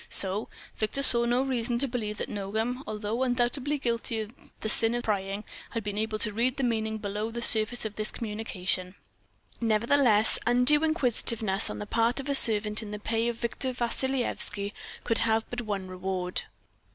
So Victor saw no reason to believe that Nogam, although undoubtedly guilty of the sin of prying, had been able to read the meaning below the surface of this communication. Nevertheless, undue inquisitiveness on the part of a servant in the pay of Victor Vassilyevski could have but one reward.